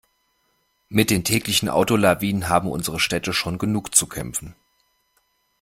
Mit den täglichen Autolawinen haben unsere Städte schon genug zu kämpfen.